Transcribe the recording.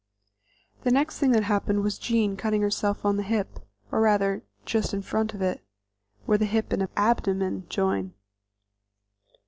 The next thing that happened was Jean cutting herself on the hip, or rather, just in front of it, where the hip and abdomen join.